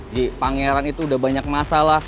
di pangeran itu udah banyak masalah